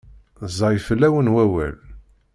Ẓẓay fell-awen wawal.